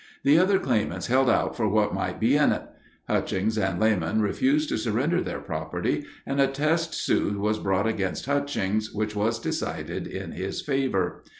The other claimants held out for what might be in it. Hutchings and Lamon refused to surrender their property, and a test suit was brought against Hutchings, which was decided in his favor.